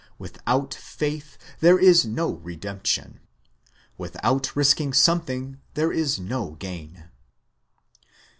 "Without faith there is no redemption." Without risking something there is no gain.